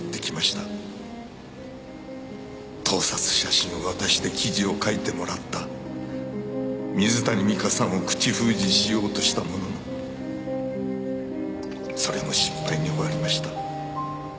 盗撮写真を渡して記事を書いてもらった水谷美香さんを口封じしようとしたもののそれも失敗に終わりました。